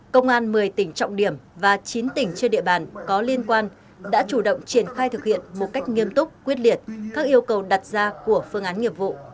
công an một mươi tỉnh trọng điểm và chín tỉnh trên địa bàn có liên quan đã chủ động triển khai thực hiện một cách nghiêm túc quyết liệt các yêu cầu đặt ra của phương án nghiệp vụ